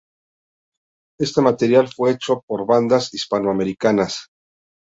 Este material fue hecho por bandas hispanoamericanas.